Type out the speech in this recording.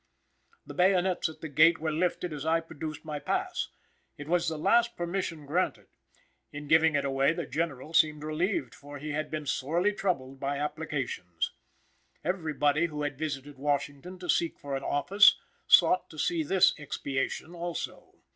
The bayonets at the gate were lifted as I produced my pass. It was the last permission granted. In giving it away the General seemed relieved, for he had been sorely troubled by applications. Everybody who had visited Washington to seek for an office, sought to see this expiation also.